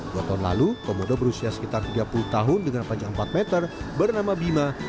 dua tahun lalu komodo berusia sekitar tiga puluh tahun dengan panjang empat meter bernama bima